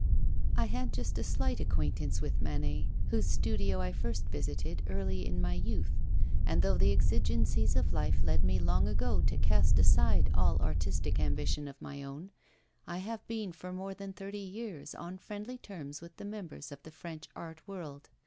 I had just a slight acquaintance with Manet, whose studio I first visited early in my youth, and though the exigencies of life led me long ago to cast aside all artistic ambition of my own, I have been for more than thirty years on friendly terms with members of the French art world.